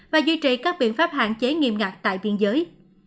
và duy trì các biện pháp hạn chế nghiêm ngặt tại biên giới